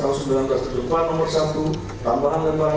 khususnya berkenaan dengan batas minimal usia perkahwinan bagi perempuan